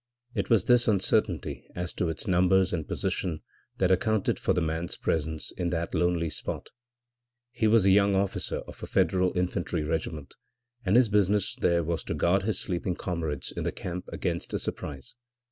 It was this uncertainty as to its numbers and position that accounted for the man's presence in that lonely spot; he was a young officer of a Federal infantry regiment and his business there was to guard his sleeping comrades in the camp against a surprise.